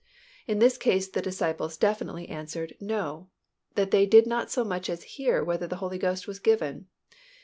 In this case the disciples definitely answered, "No," that they did not so much as hear whether the Holy Ghost was given.